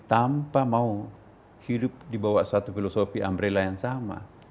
tanpa mau hidup dibawa suatu filosofi umbrella yang sama